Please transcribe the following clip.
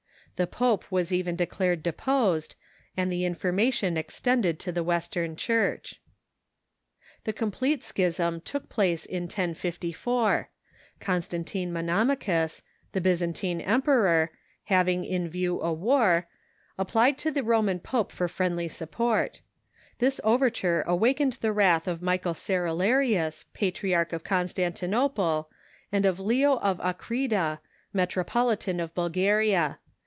The pope was even declared deposed, and the information extended to the Western Church. The complete schism took place in 1054. Constantine Mo nomachus, the Byzantine emperor, having in view a war, ap plied to the Roman pope for friendly support. This The Schism '■,,,^ i /• t»t "i J V i i • overture awakened tlie wrath or Michael Cerularius, Patriarch of Constantinople, and of Leo of Achrida, Metropol itan of Bulgaria.